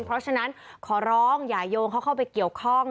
เพราะฉะนั้นขอร้องอย่าโยงเขาเข้าไปเกี่ยวข้อง